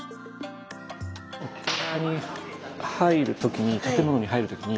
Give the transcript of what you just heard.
お寺に入る時に建物に入る時に。